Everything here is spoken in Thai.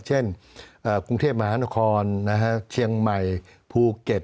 เช่นกรุงเทพมหานครเชียงใหม่ภูเก็ต